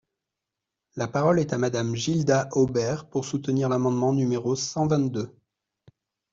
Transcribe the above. La parole est à Madame Gilda Hobert, pour soutenir l’amendement numéro cent vingt-deux.